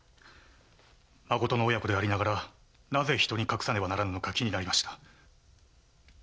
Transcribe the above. まことの親子でありながらなぜ人に隠さねばならぬのか気になりました。